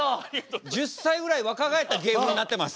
１０歳ぐらい若返った芸風になってます。